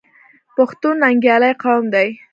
پښتون ننګیالی قوم دی.